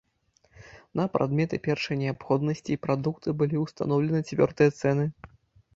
На прадметы першай неабходнасці і прадукты былі ўстаноўлены цвёрдыя цэны.